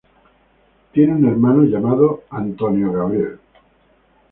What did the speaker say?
Tiene un hermano, llamado "Thomas Priest".